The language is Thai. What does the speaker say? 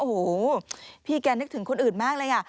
โอ้โหพี่แกนึกถึงคนอื่นมากเลยอ่ะ